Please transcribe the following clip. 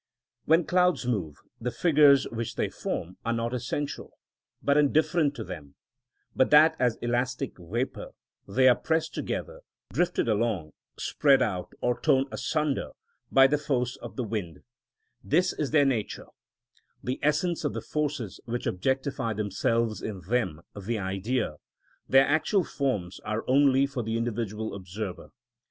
When the clouds move, the figures which they form are not essential, but indifferent to them; but that as elastic vapour they are pressed together, drifted along, spread out, or torn asunder by the force of the wind: this is their nature, the essence of the forces which objectify themselves in them, the Idea; their actual forms are only for the individual observer.